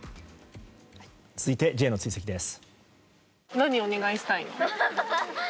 続いて、Ｊの追跡です。